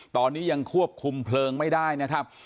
ตอนนี้ยังควบคุมเพลิงไม่ได้นะครับ